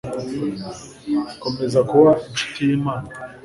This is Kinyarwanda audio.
komeza kuba incuti y imana